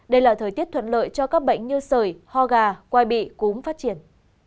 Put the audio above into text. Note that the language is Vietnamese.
đây là thời tiết thuận lợi cho các bệnh như sởi ho gà quai bị cúm phát triển